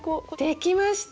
できました！